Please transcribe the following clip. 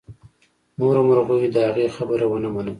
نورو مرغیو د هغې خبره ونه منله.